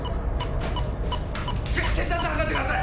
血圧測ってください！